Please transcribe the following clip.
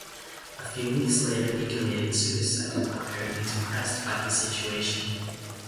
A few weeks later he committed suicide, apparently depressed by his situation.